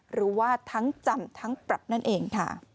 หรือว่าทั้งจำทั้งปรับนั่นเองค่ะ